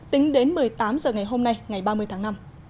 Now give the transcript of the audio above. tính đến một mươi tám h ngày hôm nay ngày ba mươi tháng năm